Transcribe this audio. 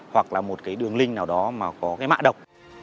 hoặc là một đường link nào đó có mạng độc